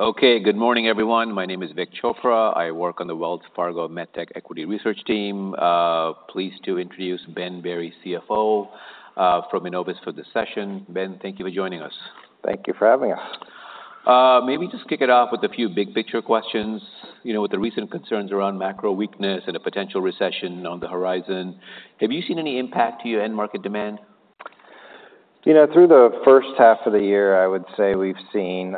Okay, good morning, everyone. My name is Vik Chopra. I work on the Wells Fargo MedTech Equity Research team. Pleased to introduce Ben Berry, CFO, from Enovis for this session. Ben, thank you for joining us. Thank you for having us. Maybe just kick it off with a few big picture questions. You know, with the recent concerns around macro weakness and a potential recession on the horizon, have you seen any impact to your end market demand? You know, through the first half of the year, I would say we've seen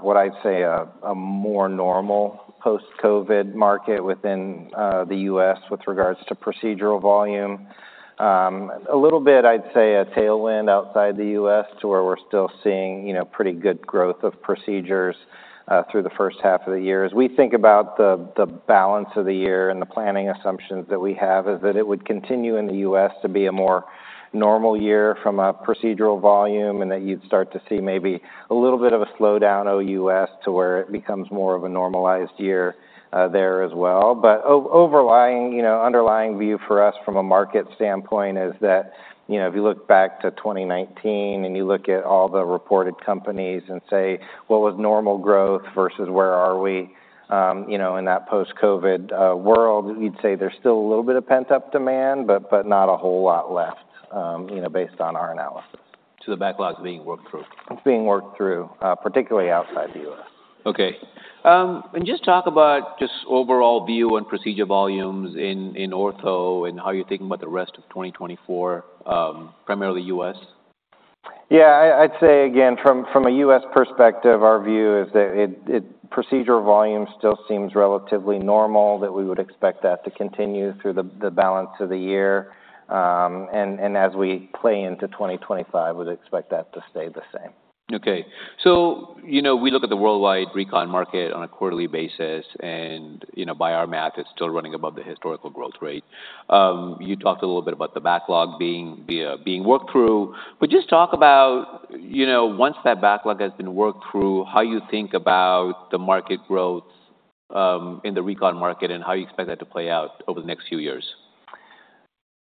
what I'd say a more normal post-COVID market within the US with regards to procedural volume. A little bit, I'd say, a tailwind outside the US, to where we're still seeing, you know, pretty good growth of procedures through the first half of the year. As we think about the balance of the year and the planning assumptions that we have, is that it would continue in the US to be a more normal year from a procedural volume, and that you'd start to see maybe a little bit of a slowdown OUS, to where it becomes more of a normalized year there as well. But overlying, you know, underlying view for us from a market standpoint is that, you know, if you look back to 2019, and you look at all the reported companies and say, What was normal growth versus where are we? you know, in that post-COVID world, you'd say there's still a little bit of pent-up demand, but not a whole lot left, you know, based on our analysis. So the backlog's being worked through? It's being worked through, particularly outside the US. Okay, and just talk about overall view on procedure volumes in ortho, and how you're thinking about the rest of 2024, primarily US? Yeah, I'd say again, from a US perspective, our view is that procedural volume still seems relatively normal, that we would expect that to continue through the balance of the year. And as we play into 2025, would expect that to stay the same. Okay. So, you know, we look at the worldwide Recon market on a quarterly basis, and, you know, by our math, it's still running above the historical growth rate. You talked a little bit about the backlog being worked through, but just talk about, you know, once that backlog has been worked through, how you think about the market growth, in the Recon market, and how you expect that to play out over the next few years?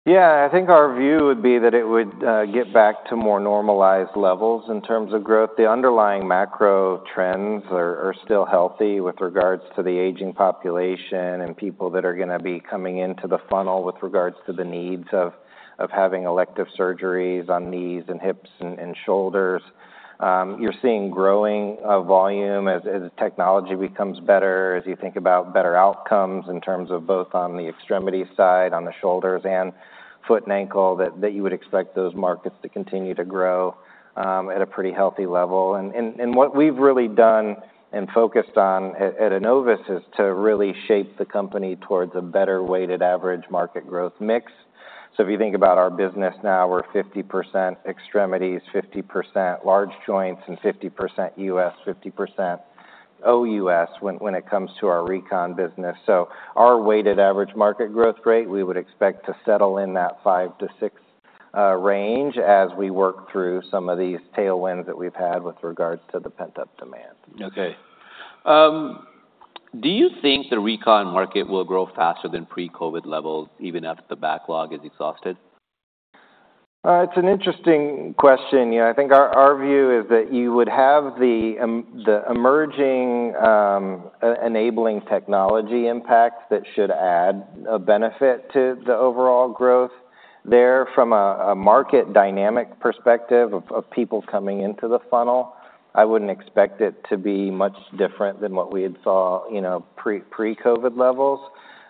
Yeah, I think our view would be that it would get back to more normalized levels in terms of growth. The underlying macro trends are still healthy with regards to the aging population and people that are gonna be coming into the funnel with regards to the needs of having elective surgeries on knees and hips and shoulders. You're seeing growing volume as technology becomes better, as you think about better outcomes in terms of both on the extremity side, on the shoulders and foot and ankle, that you would expect those markets to continue to grow at a pretty healthy level. And what we've really done and focused on at Enovis is to really shape the company towards a better weighted average market growth mix. So if you think about our business now, we're 50% extremities, 50% large joints, and 50% US, 50% OUS, when it comes to our Recon business. So our weighted average market growth rate, we would expect to settle in that five to six range as we work through some of these tailwinds that we've had with regards to the pent-up demand. Okay. Do you think the Recon market will grow faster than pre-COVID levels, even after the backlog is exhausted? It's an interesting question. Yeah, I think our view is that you would have the emerging enabling technology impact that should add a benefit to the overall growth there. From a market dynamic perspective of people coming into the funnel, I wouldn't expect it to be much different than what we had saw, you know, pre-COVID levels.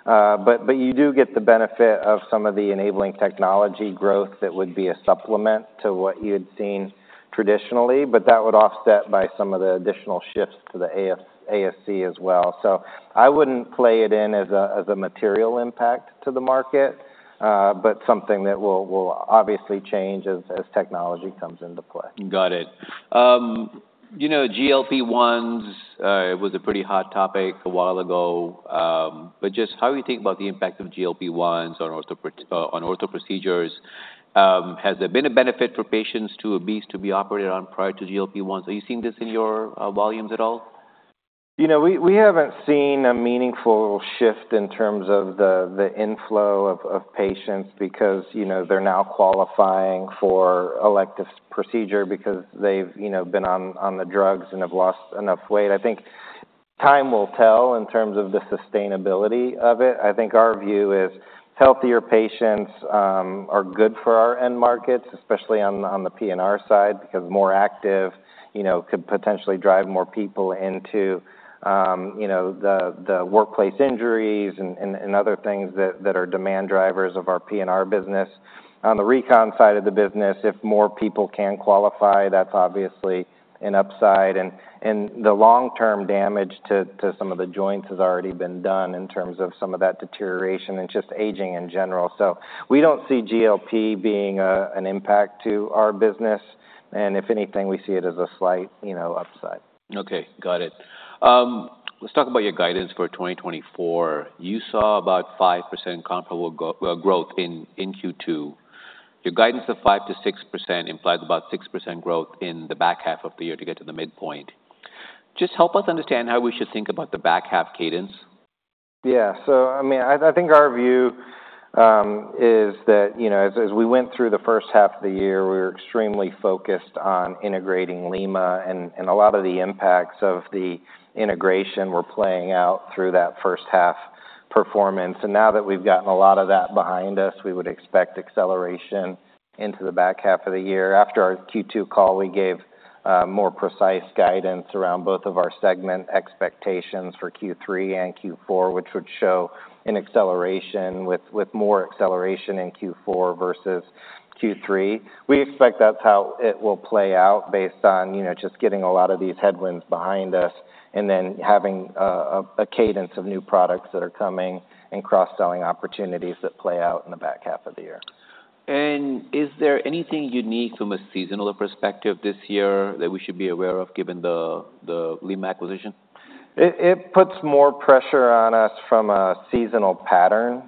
But you do get the benefit of some of the enabling technology growth that would be a supplement to what you had seen traditionally, but that would offset by some of the additional shifts to the ASC as well. So I wouldn't play it in as a material impact to the market, but something that will obviously change as technology comes into play. Got it. You know, GLP-1s was a pretty hot topic a while ago, but just how do you think about the impact of GLP-1s on ortho procedures? Has there been a benefit for patients who are obese to be operated on prior to GLP-1s? Are you seeing this in your volumes at all? You know, we haven't seen a meaningful shift in terms of the inflow of patients because, you know, they're now qualifying for elective procedure because they've, you know, been on the drugs and have lost enough weight. I think time will tell in terms of the sustainability of it. I think our view is, healthier patients are good for our end markets, especially on the P&R side, because more active, you know, could potentially drive more people into the workplace injuries and other things that are demand drivers of our P&R business. On the Recon side of the business, if more people can qualify, that's obviously an upside, and the long-term damage to some of the joints has already been done in terms of some of that deterioration and just aging in general. We don't see GLP being an impact to our business, and if anything, we see it as a slight, you know, upside. Okay, got it. Let's talk about your guidance for 2024. You saw about 5% comparable growth in Q2. Your guidance of 5%-6% implies about 6% growth in the back half of the year to get to the midpoint. Just help us understand how we should think about the back half cadence?... Yeah. So I mean, I think our view is that, you know, as we went through the first half of the year, we were extremely focused on integrating Lima, and a lot of the impacts of the integration were playing out through that first half performance. And now that we've gotten a lot of that behind us, we would expect acceleration into the back half of the year. After our Q2 call, we gave more precise guidance around both of our segment expectations for Q3 and Q4, which would show an acceleration with more acceleration in Q4 versus Q3. We expect that's how it will play out based on, you know, just getting a lot of these headwinds behind us, and then having a cadence of new products that are coming and cross-selling opportunities that play out in the back half of the year. Is there anything unique from a seasonal perspective this year that we should be aware of, given the Lima acquisition? It puts more pressure on us from a seasonal pattern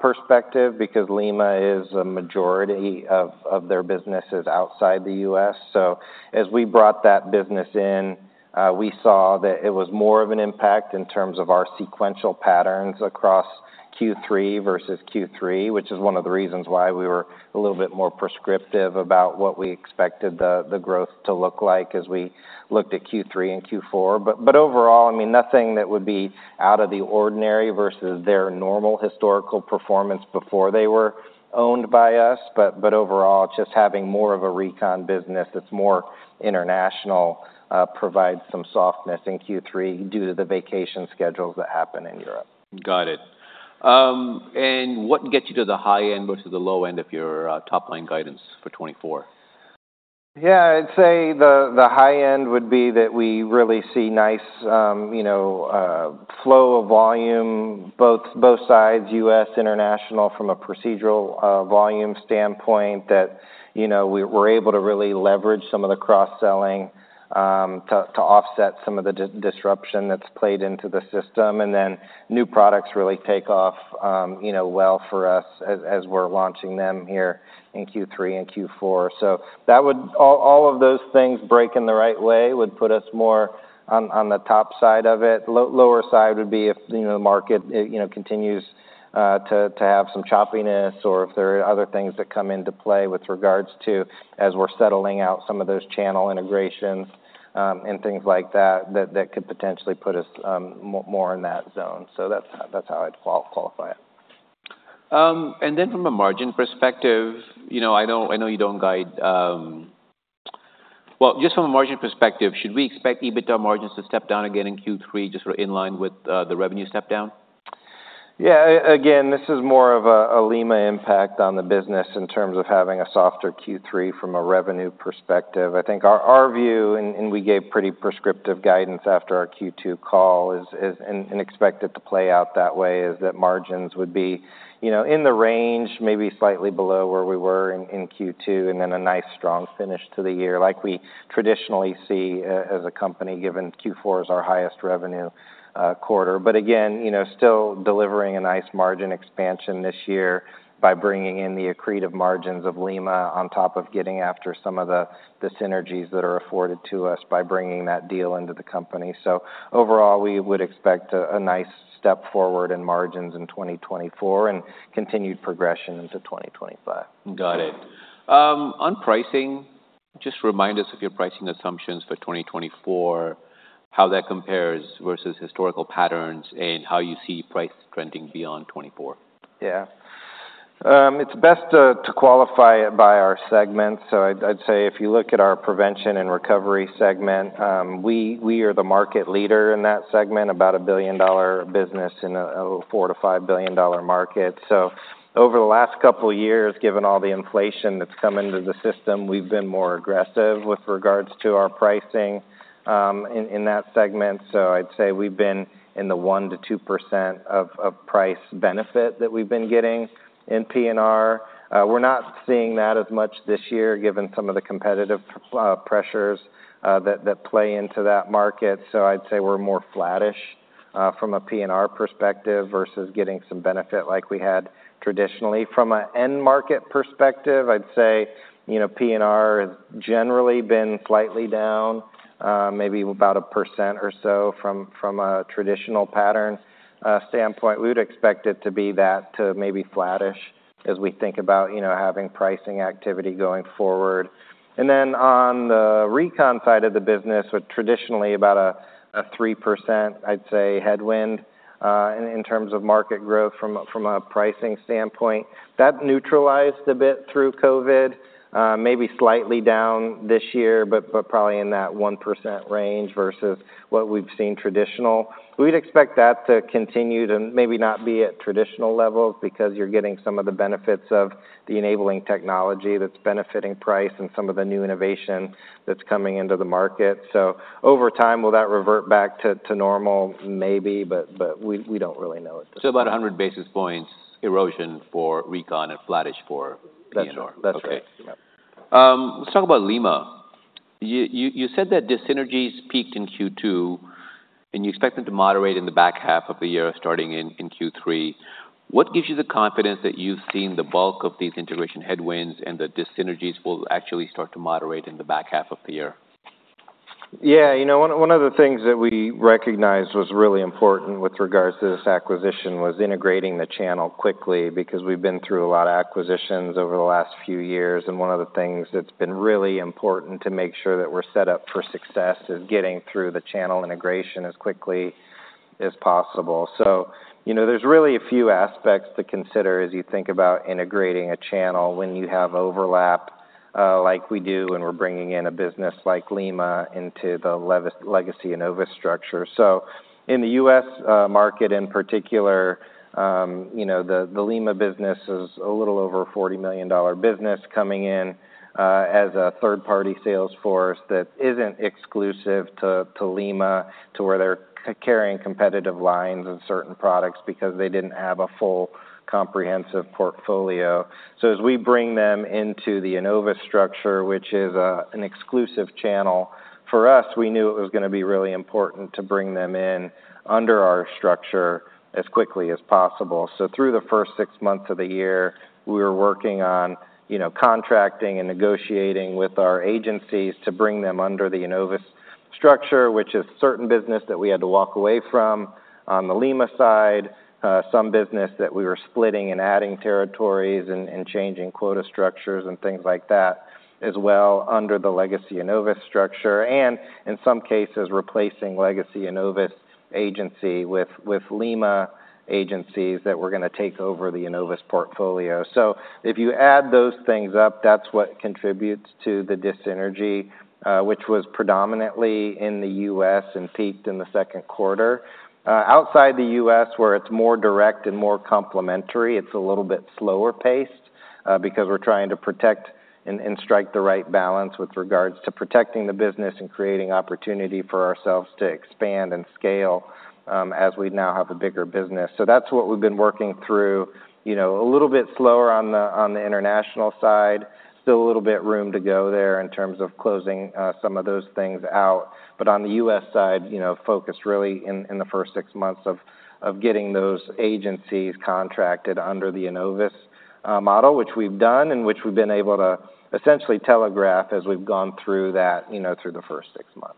perspective, because Lima is a majority of their business is outside the US So as we brought that business in, we saw that it was more of an impact in terms of our sequential patterns across Q3 versus Q3, which is one of the reasons why we were a little bit more prescriptive about what we expected the growth to look like as we looked at Q3 and Q4. But overall, I mean, nothing that would be out of the ordinary versus their normal historical performance before they were owned by us. But overall, just having more of a Recon business that's more international provides some softness in Q3 due to the vacation schedules that happen in Europe. Got it. What gets you to the high end versus the low end of your top-line guidance for 2024? Yeah, I'd say the high end would be that we really see nice, you know, flow of volume, both sides, US, international, from a procedural volume standpoint, that you know, we're able to really leverage some of the cross-selling to offset some of the disruption that's played into the system. And then new products really take off, you know, well for us as we're launching them here in Q3 and Q4. So that would... All of those things breaking the right way would put us more on the top side of it. Lower side would be if, you know, the market, you know, continues to have some choppiness or if there are other things that come into play with regards to as we're settling out some of those channel integrations, and things like that, that could potentially put us more in that zone. So that's how I'd qualify it. And then from a margin perspective, you know, I know, I know you don't guide. Well, just from a margin perspective, should we expect EBITDA margins to step down again in Q3, just sort of in line with the revenue step down? Yeah. Again, this is more of a Lima impact on the business in terms of having a softer Q3 from a revenue perspective. I think our view, and we gave pretty prescriptive guidance after our Q2 call, is and expect it to play out that way, is that margins would be, you know, in the range, maybe slightly below where we were in Q2, and then a nice, strong finish to the year, like we traditionally see as a company, given Q4 is our highest revenue quarter. But again, you know, still delivering a nice margin expansion this year by bringing in the accretive margins of Lima on top of getting after some of the synergies that are afforded to us by bringing that deal into the company. Overall, we would expect a nice step forward in margins in 2024 and continued progression into 2025. Got it. On pricing, just remind us of your pricing assumptions for 2024, how that compares versus historical patterns, and how you see price trending beyond 2024? Yeah. It's best to qualify it by our segments. So I'd say if you look at our prevention and recovery segment, we are the market leader in that segment, about a billion-dollar business in a $4 billion-$5 billion market. So over the last couple of years, given all the inflation that's come into the system, we've been more aggressive with regards to our pricing in that segment. So I'd say we've been in the 1%-2% of price benefit that we've been getting in P&R. We're not seeing that as much this year, given some of the competitive pressures that play into that market. So I'd say we're more flattish from a P&R perspective versus getting some benefit like we had traditionally. From an end market perspective, I'd say, you know, P&R has generally been slightly down, maybe about 1% or so from a traditional pattern standpoint. We would expect it to be that to maybe flattish as we think about, you know, having pricing activity going forward. And then on the recon side of the business, with traditionally about a 3%, I'd say, headwind in terms of market growth from a pricing standpoint, that neutralized a bit through COVID, maybe slightly down this year, but probably in that 1% range versus what we've seen traditional. We'd expect that to continue to maybe not be at traditional levels because you're getting some of the benefits of the enabling technology that's benefiting price and some of the new innovation that's coming into the market. Over time, will that revert back to normal? Maybe, but we don't really know at this time. About 100 basis points erosion for Recon and flattish for P&R. That's right. Okay. Yeah. Let's talk about Lima. You said that dissynergies peaked in Q2, and you expect them to moderate in the back half of the year, starting in Q3. What gives you the confidence that you've seen the bulk of these integration headwinds and the dissynergies will actually start to moderate in the back half of the year? ... Yeah, you know, one of the things that we recognized was really important with regards to this acquisition was integrating the channel quickly, because we've been through a lot of acquisitions over the last few years, and one of the things that's been really important to make sure that we're set up for success is getting through the channel integration as quickly as possible. So, you know, there's really a few aspects to consider as you think about integrating a channel when you have overlap, like we do, and we're bringing in a business like Lima into the legacy Enovis structure. So in the US market, in particular, you know, the Lima business is a little over $40 million business coming in as a third-party sales force that isn't exclusive to Lima, where they're carrying competitive lines of certain products because they didn't have a full, comprehensive portfolio. So as we bring them into the Enovis structure, which is an exclusive channel for us, we knew it was gonna be really important to bring them in under our structure as quickly as possible. So through the first six months of the year, we were working on, you know, contracting and negotiating with our agencies to bring them under the Enovis structure, which is certain business that we had to walk away from. On the Lima side, some business that we were splitting and adding territories and changing quota structures and things like that, as well under the legacy Enovis structure, and in some cases, replacing legacy Enovis agency with Lima agencies that were gonna take over the Enovis portfolio. So if you add those things up, that's what contributes to the dissynergies, which was predominantly in the US and peaked in the second quarter. Outside the US, where it's more direct and more complementary, it's a little bit slower paced, because we're trying to protect and strike the right balance with regards to protecting the business and creating opportunity for ourselves to expand and scale, as we now have a bigger business. So that's what we've been working through, you know, a little bit slower on the international side. Still a little bit room to go there in terms of closing some of those things out. But on the US side, you know, focused really in the first six months of getting those agencies contracted under the Enovis model, which we've done, and which we've been able to essentially telegraph as we've gone through that, you know, through the first six months.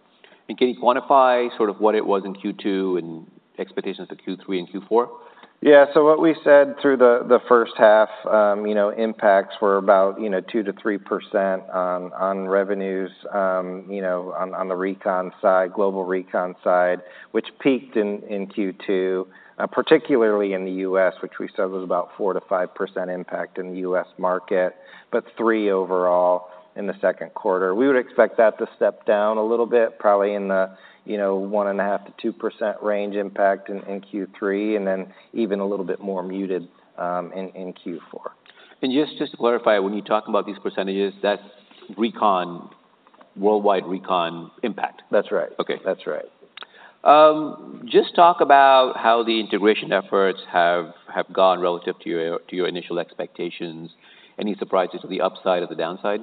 Can you quantify sort of what it was in Q2 and expectations for Q3 and Q4? Yeah. So what we said through the first half, you know, impacts were about 2%-3% on revenues, you know, on the Recon side, global Recon side, which peaked in Q2, particularly in the US, which we said was about 4%-5% impact in the US market, but 3% overall in the second quarter. We would expect that to step down a little bit, probably in the, you know, 1.5%-2% range impact in Q3, and then even a little bit more muted, in Q4. Just to clarify, when you talk about these percentages, that's Recon, worldwide Recon impact? That's right. Okay. That's right. Just talk about how the integration efforts have gone relative to your initial expectations. Any surprises to the upside or the downside?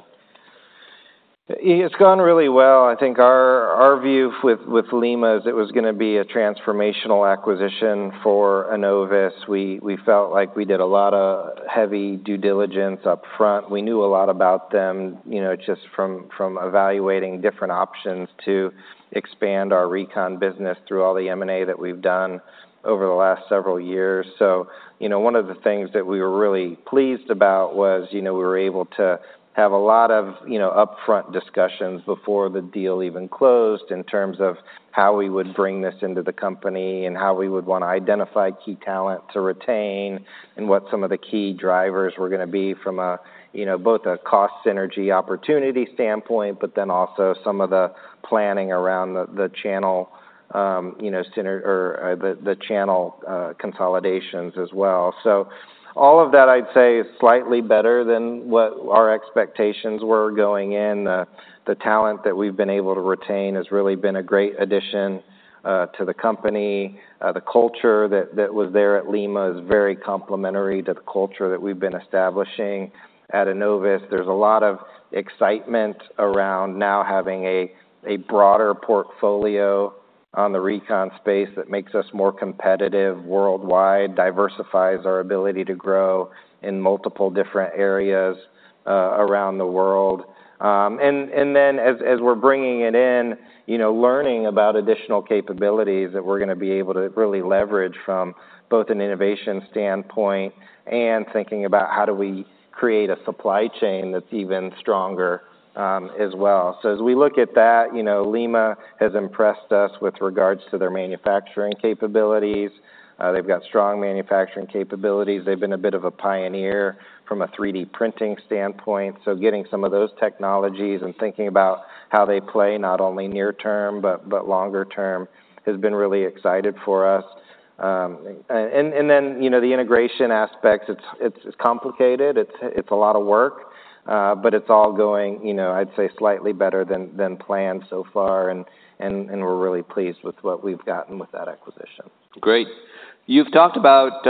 It's gone really well. I think our view with Lima is it was gonna be a transformational acquisition for Enovis. We felt like we did a lot of heavy due diligence up front. We knew a lot about them, you know, just from evaluating different options to expand our Recon business through all the M&A that we've done over the last several years. So, you know, one of the things that we were really pleased about was, you know, we were able to have a lot of, you know, upfront discussions before the deal even closed, in terms of how we would bring this into the company and how we would wanna identify key talent to retain, and what some of the key drivers were gonna be from a, you know, both a cost synergy opportunity standpoint, but then also some of the planning around the channel consolidations as well. So all of that, I'd say, is slightly better than what our expectations were going in. The talent that we've been able to retain has really been a great addition to the company. The culture that was there at Lima is very complementary to the culture that we've been establishing at Enovis. There's a lot of excitement around now having a broader portfolio on the Recon space that makes us more competitive worldwide, diversifies our ability to grow in multiple different areas around the world, and then as we're bringing it in, you know, learning about additional capabilities that we're gonna be able to really leverage from both an innovation standpoint and thinking about how do we create a supply chain that's even stronger, as well, so as we look at that, you know, Lima has impressed us with regards to their manufacturing capabilities. They've got strong manufacturing capabilities. They've been a bit of a pioneer from a 3D printing standpoint, so getting some of those technologies and thinking about how they play, not only near term, but longer term, has been really excited for us, and then, you know, the integration aspect, it's complicated. It's a lot of work, but it's all going, you know, I'd say, slightly better than planned so far, and we're really pleased with what we've gotten with that acquisition. Great. You've talked about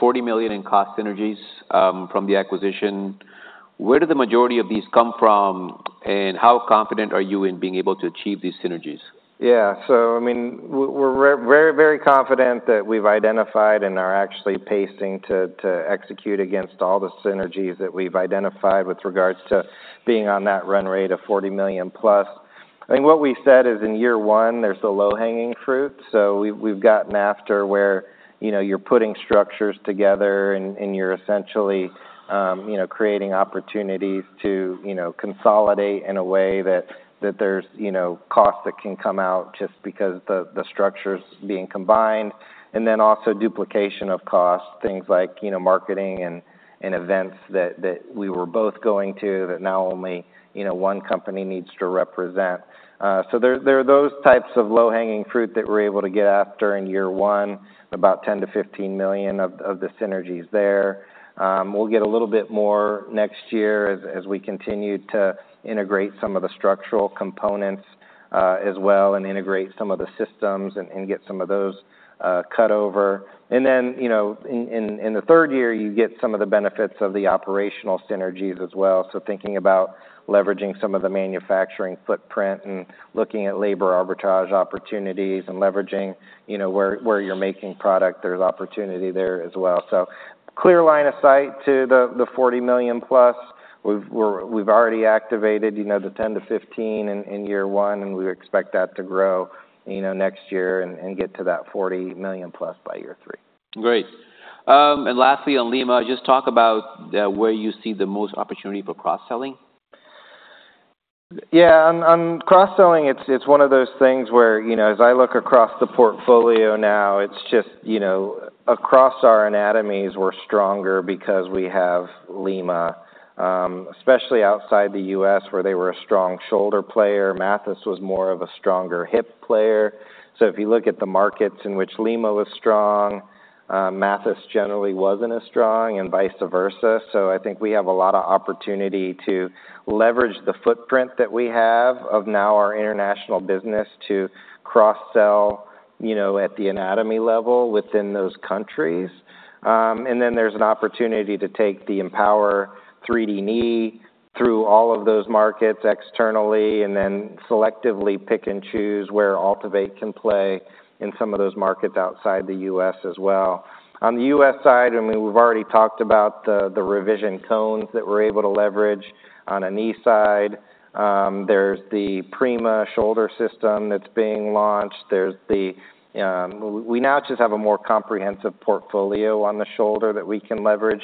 $40 million in cost synergies from the acquisition. Where do the majority of these come from, and how confident are you in being able to achieve these synergies?... Yeah. So, I mean, we're very, very confident that we've identified and are actually pacing to execute against all the synergies that we've identified with regards to being on that run rate of $40 million plus. I think what we said is, in year one, there's the low-hanging fruit. So we, we've gotten after where, you know, you're putting structures together, and you're essentially, you know, creating opportunities to, you know, consolidate in a way that there's, you know, costs that can come out just because the structures being combined, and then also duplication of costs, things like, you know, marketing and events that we were both going to, that now only, you know, one company needs to represent. So there are those types of low-hanging fruit that we're able to get after in year one, about $10 million-$15 million of the synergies there. We'll get a little bit more next year as we continue to integrate some of the structural components as well, and integrate some of the systems and get some of those cut over, and then, you know, in the third year, you get some of the benefits of the operational synergies as well, so thinking about leveraging some of the manufacturing footprint and looking at labor arbitrage opportunities and leveraging, you know, where you're making product, there's opportunity there as well, so clear line of sight to the $40 million plus. We've already activated, you know, the 10 to 15 in year one, and we expect that to grow, you know, next year and get to that $40 million plus by year three. Great, and lastly, on Lima, just talk about where you see the most opportunity for cross-selling. Yeah. On cross-selling, it's one of those things where, you know, as I look across the portfolio now, it's just, you know, across our anatomies, we're stronger because we have Lima, especially outside the US, where they were a strong shoulder player. Mathys was more of a stronger hip player. So if you look at the markets in which Lima was strong, Mathys generally wasn't as strong, and vice versa. So I think we have a lot of opportunity to leverage the footprint that we have of now our international business to cross-sell, you know, at the anatomy level within those countries. And then there's an opportunity to take the EMPOWR 3D Knee through all of those markets externally, and then selectively pick and choose where AltiVate can play in some of those markets outside the US as well. On the US side, I mean, we've already talked about the revision cones that we're able to leverage on a knee side. There's the Prima shoulder system that's being launched. We now just have a more comprehensive portfolio on the shoulder that we can leverage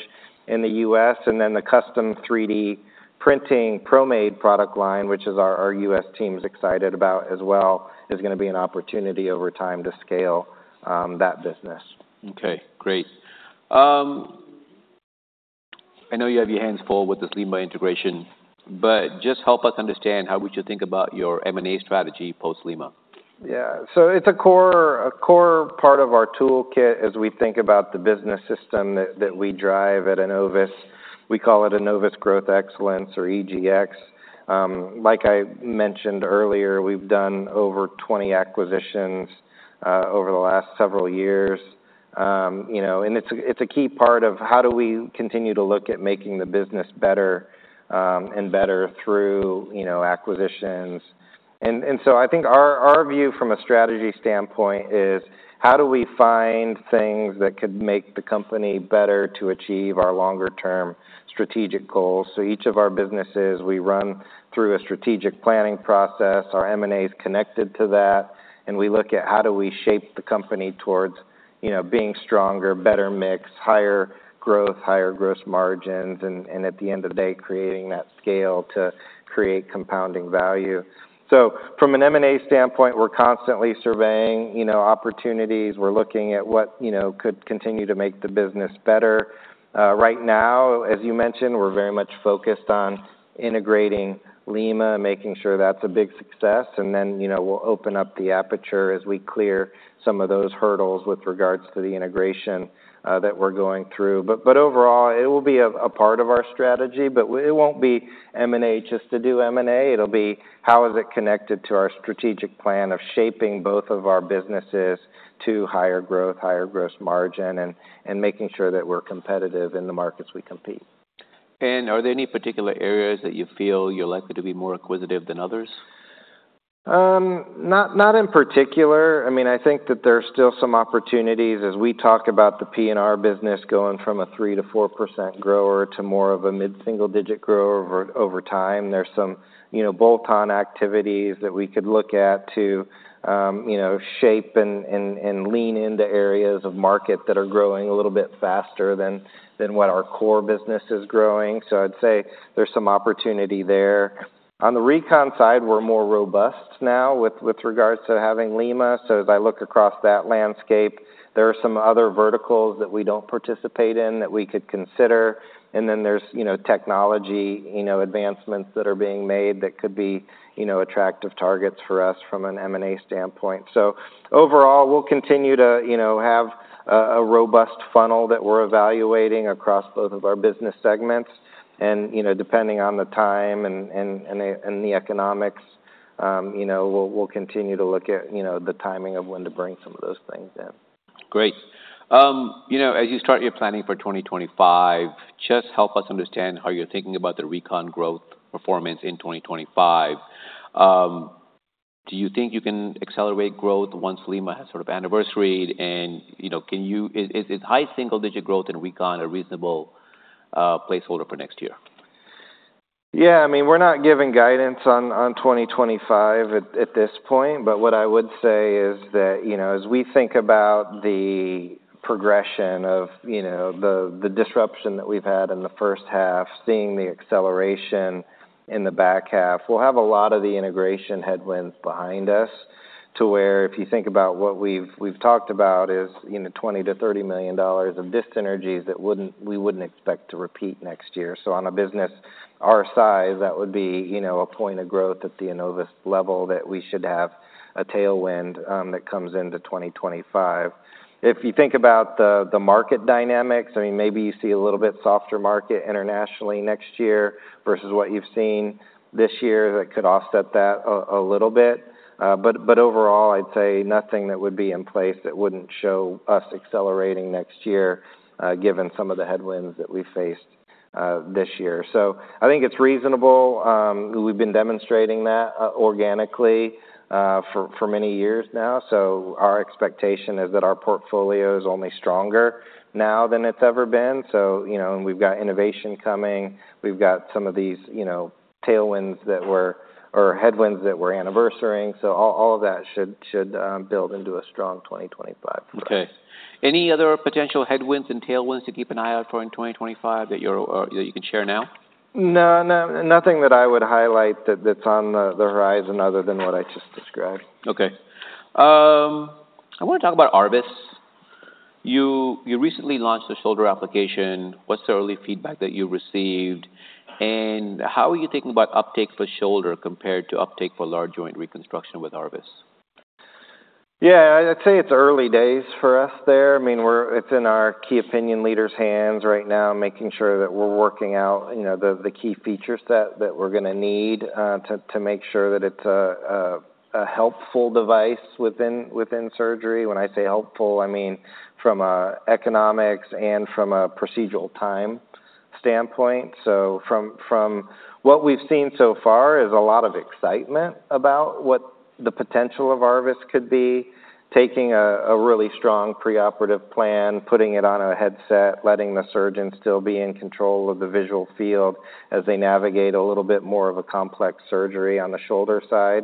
in the US And then the custom 3D printing ProMade product line, which is our US team's excited about as well, is gonna be an opportunity over time to scale that business. Okay, great. I know you have your hands full with this Lima integration, but just help us understand how we should think about your M&A strategy post Lima. Yeah. So it's a core part of our toolkit as we think about the business system that we drive at Enovis. We call it Enovis Growth Excellence, or EGX. Like I mentioned earlier, we've done over 20 acquisitions over the last several years. You know, and it's a key part of how we continue to look at making the business better and better through, you know, acquisitions. And so I think our view from a strategy standpoint is, how do we find things that could make the company better to achieve our longer term strategic goals? So each of our businesses, we run through a strategic planning process. Our M&A is connected to that, and we look at how do we shape the company towards, you know, being stronger, better mix, higher growth, higher gross margins, and at the end of the day, creating that scale to create compounding value. So from an M&A standpoint, we're constantly surveying, you know, opportunities. We're looking at what, you know, could continue to make the business better. Right now, as you mentioned, we're very much focused on integrating Lima, making sure that's a big success, and then, you know, we'll open up the aperture as we clear some of those hurdles with regards to the integration that we're going through. But overall, it will be a part of our strategy, but it won't be M&A just to do M&A. It'll be how is it connected to our strategic plan of shaping both of our businesses to higher growth, higher gross margin, and making sure that we're competitive in the markets we compete? Are there any particular areas that you feel you're likely to be more acquisitive than others? Not in particular. I mean, I think that there are still some opportunities as we talk about the P&R business going from a 3%-4% grower to more of a mid-single-digit grower over time. There's some, you know, bolt-on activities that we could look at to, you know, shape and lean into areas of market that are growing a little bit faster than what our core business is growing. So I'd say there's some opportunity there. On the Recon side, we're more robust now with regards to having Lima. So as I look across that landscape, there are some other verticals that we don't participate in, that we could consider. Then there's, you know, technology, you know, advancements that are being made that could be, you know, attractive targets for us from an M&A standpoint. So overall, we'll continue to, you know, have a robust funnel that we're evaluating across both of our business segments. And, you know, depending on the time and the economics, you know, we'll continue to look at, you know, the timing of when to bring some of those things in.... Great. You know, as you start your planning for 2025, just help us understand how you're thinking about the Recon growth performance in 2025. Do you think you can accelerate growth once Lima has sort of anniversaried, and, you know, is high single-digit growth in Recon a reasonable placeholder for next year? Yeah, I mean, we're not giving guidance on 2025 at this point. But what I would say is that, you know, as we think about the progression of, you know, the disruption that we've had in the first half, seeing the acceleration in the back half, we'll have a lot of the integration headwinds behind us, to where if you think about what we've talked about is, you know, $20 million-$30 million of dissynergies that we wouldn't expect to repeat next year. So on a business our size, that would be, you know, a point of growth at the Enovis level, that we should have a tailwind that comes into 2025. If you think about the market dynamics, I mean, maybe you see a little bit softer market internationally next year versus what you've seen this year, that could offset that a little bit. But overall, I'd say nothing that would be in place that wouldn't show us accelerating next year, given some of the headwinds that we faced this year. So I think it's reasonable. We've been demonstrating that organically for many years now. So our expectation is that our portfolio is only stronger now than it's ever been. So, you know, and we've got innovation coming. We've got some of these, you know, tailwinds that were or headwinds that we're anniversarying. So all of that should build into a strong 2025 for us. Okay. Any other potential headwinds and tailwinds to keep an eye out for in 2025 that you're, that you can share now? No, no. Nothing that I would highlight that's on the horizon other than what I just described. Okay. I wanna talk about ARVIS. You recently launched a shoulder application. What's the early feedback that you received? And how are you thinking about uptake for shoulder compared to uptake for large joint reconstruction with ARVIS? Yeah, I'd say it's early days for us there. I mean, it's in our key opinion leaders' hands right now, making sure that we're working out, you know, the key feature set that we're gonna need to make sure that it's a helpful device within surgery. When I say helpful, I mean from an economics and from a procedural time standpoint. So from what we've seen so far, is a lot of excitement about what the potential of ARVIS could be, taking a really strong preoperative plan, putting it on a headset, letting the surgeon still be in control of the visual field as they navigate a little bit more of a complex surgery on the shoulder side.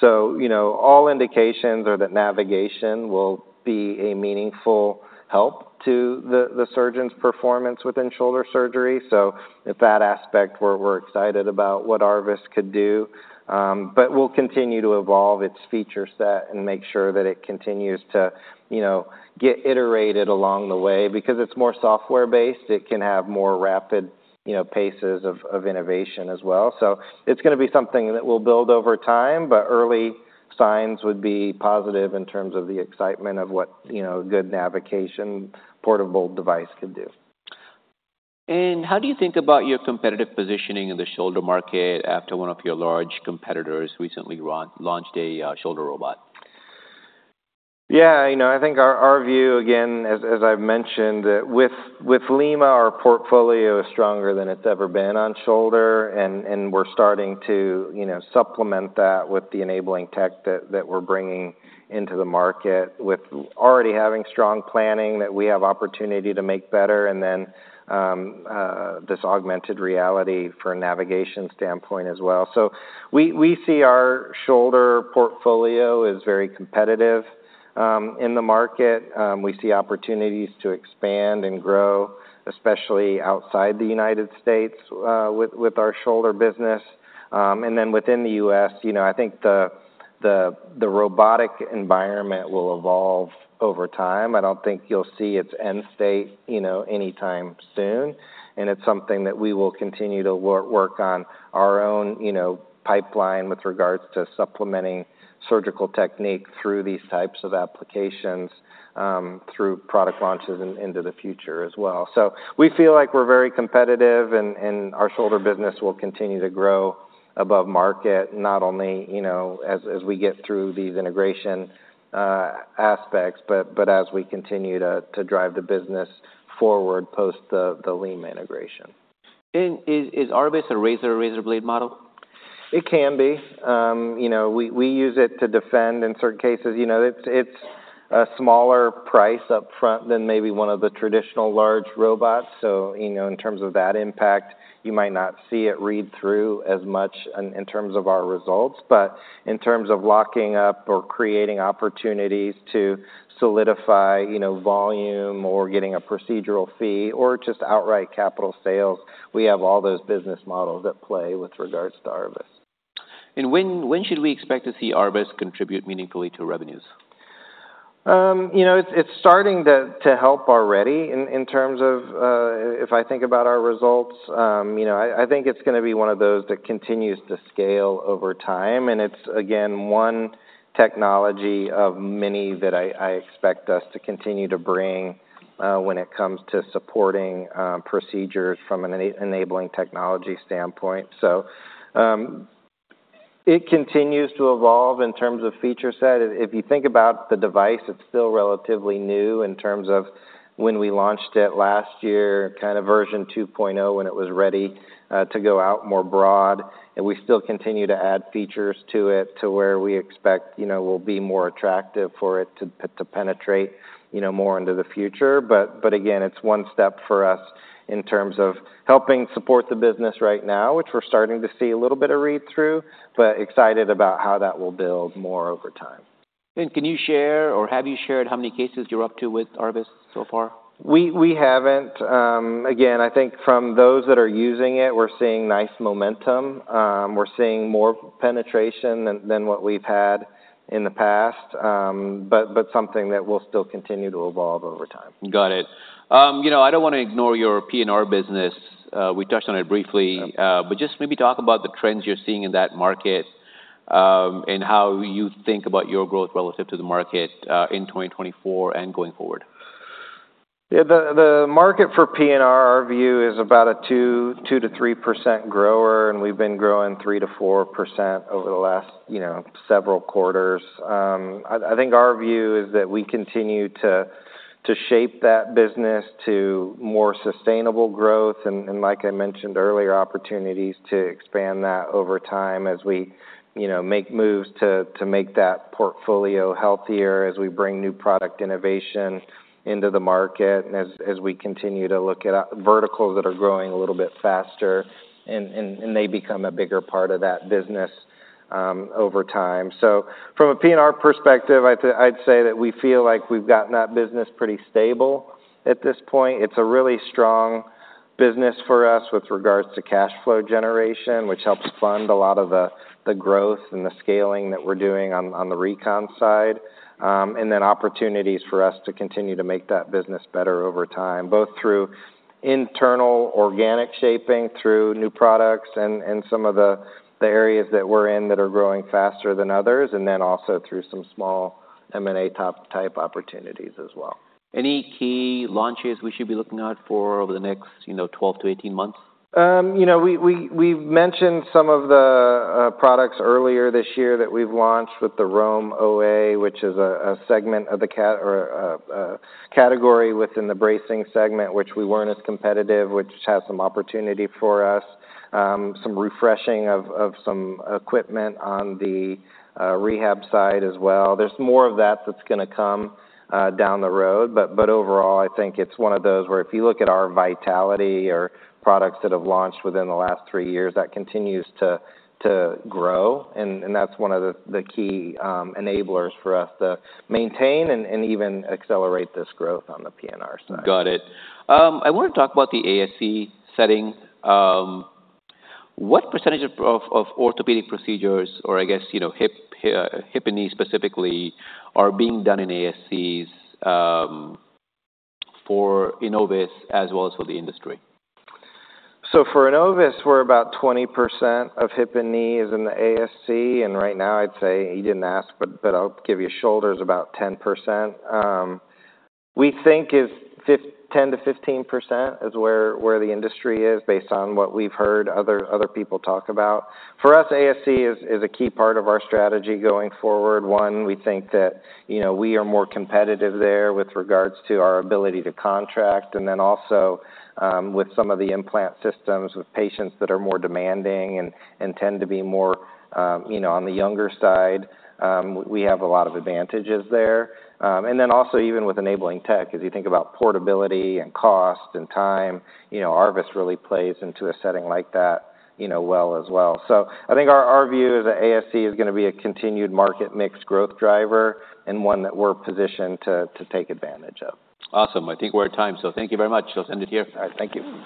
So, you know, all indications are that navigation will be a meaningful help to the surgeon's performance within shoulder surgery. At that aspect, we're excited about what ARVIS could do. We'll continue to evolve its feature set and make sure that it continues to, you know, get iterated along the way. Because it's more software-based, it can have more rapid, you know, paces of innovation as well. It's gonna be something that we'll build over time, but early signs would be positive in terms of the excitement of what, you know, a good navigation portable device could do. How do you think about your competitive positioning in the shoulder market after one of your large competitors recently launched a shoulder robot? Yeah, you know, I think our view, again, as I've mentioned, that with Lima, our portfolio is stronger than it's ever been on shoulder, and we're starting to, you know, supplement that with the enabling tech that we're bringing into the market, with already having strong planning that we have opportunity to make better, and then this augmented reality from a navigation standpoint as well. So we see our shoulder portfolio as very competitive in the market. We see opportunities to expand and grow, especially outside the United States, with our shoulder business. And then within the US, you know, I think the robotic environment will evolve over time. I don't think you'll see its end state, you know, anytime soon, and it's something that we will continue to work on our own, you know, pipeline with regards to supplementing surgical technique through these types of applications, through product launches into the future as well. So we feel like we're very competitive, and our shoulder business will continue to grow above market, not only, you know, as we get through these integration aspects, but as we continue to drive the business forward post the Lima integration. Is ARVIS a razor blade model? It can be. You know, we use it to defend in certain cases. You know, it's a smaller price up front than maybe one of the traditional large robots. So, you know, in terms of that impact, you might not see it read through as much in terms of our results. But in terms of locking up or creating opportunities to solidify, you know, volume or getting a procedural fee or just outright capital sales, we have all those business models at play with regards to ARVIS. When should we expect to see ARVIS contribute meaningfully to revenues? You know, it's starting to help already in terms of. If I think about our results, you know, I think it's gonna be one of those that continues to scale over time, and it's again one technology of many that I expect us to continue to bring when it comes to supporting procedures from an enabling technology standpoint. So it continues to evolve in terms of feature set. If you think about the device, it's still relatively new in terms of when we launched it last year, kind of version 2.0, when it was ready to go out more broad. And we still continue to add features to it, to where we expect, you know, will be more attractive for it to penetrate, you know, more into the future. But again, it's one step for us in terms of helping support the business right now, which we're starting to see a little bit of read-through, but excited about how that will build more over time. Can you share, or have you shared, how many cases you're up to with ARVIS so far? We haven't. Again, I think from those that are using it, we're seeing nice momentum. We're seeing more penetration than what we've had in the past. But something that will still continue to evolve over time. Got it. You know, I don't wanna ignore your P&R business. We touched on it briefly. Yeah. But just maybe talk about the trends you're seeing in that market, and how you think about your growth relative to the market, in 2024 and going forward. Yeah, the market for P&R, our view, is about a 2%-3% grower, and we've been growing 3%-4% over the last, you know, several quarters. I think our view is that we continue to shape that business to more sustainable growth, and like I mentioned earlier, opportunities to expand that over time as we, you know, make moves to make that portfolio healthier, as we bring new product innovation into the market, and as we continue to look at verticals that are growing a little bit faster, and they become a bigger part of that business, over time. So from a P&R perspective, I'd say that we feel like we've gotten that business pretty stable at this point. It's a really strong business for us with regards to cash flow generation, which helps fund a lot of the growth and the scaling that we're doing on the Recon side. And then opportunities for us to continue to make that business better over time, both through internal organic shaping, through new products and some of the areas that we're in that are growing faster than others, and then also through some small M&A tuck-type opportunities as well. Any key launches we should be looking out for over the next, you know, 12-18 months? You know, we, we've mentioned some of the products earlier this year that we've launched with the Roam OA, which is a segment of a category within the bracing segment, which we weren't as competitive, which has some opportunity for us. Some refreshing of some equipment on the rehab side as well. There's more of that that's gonna come down the road, but overall, I think it's one of those where if you look at our vitality of products that have launched within the last three years, that continues to grow, and that's one of the key enablers for us to maintain and even accelerate this growth on the P&R side. Got it. I wanna talk about the ASC setting. What percentage of orthopedic procedures or I guess, you know, hip and knee specifically, are being done in ASCs, for Enovis as well as for the industry? So, for Enovis, we're about 20% of hip and knee is in the ASC, and right now, I'd say, you didn't ask, but, but I'll give you shoulders, about 10%. We think 10%-15% is where the industry is, based on what we've heard other people talk about. For us, ASC is a key part of our strategy going forward. One, we think that, you know, we are more competitive there with regards to our ability to contract, and then also, with some of the implant systems, with patients that are more demanding and tend to be more, you know, on the younger side, we have a lot of advantages there. And then also even with enabling tech, as you think about portability and cost and time, you know, ARVIS really plays into a setting like that, you know, well as well. So I think our view is that ASC is gonna be a continued market mix growth driver and one that we're positioned to take advantage of. Awesome. I think we're at time, so thank you very much. I'll end it here. All right, thank you.